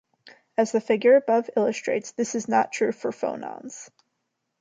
As the figure above illustrates, this is not true for phonons.